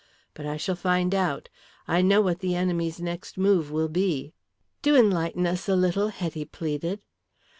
But I shall find out. I know what the enemy's next move will be." "Do enlighten us a little," Hetty pleaded.